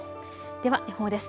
では予報です。